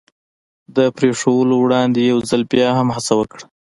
د پرېښودلو وړاندې یو ځل بیا هم هڅه وکړه.